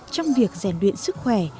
trong việc giàn luyện sức khỏe